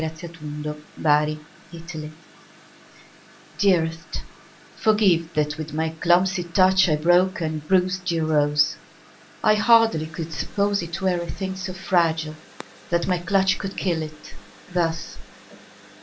Stupidity Dearest, forgive that with my clumsy touch I broke and bruised your rose. I hardly could suppose It were a thing so fragile that my clutch Could kill it, thus.